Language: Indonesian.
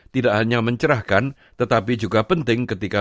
tidak hanya mencerahkan tetapi juga penting ketika